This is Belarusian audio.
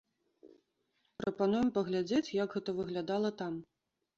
Прапануем паглядзець, як гэта выглядала там.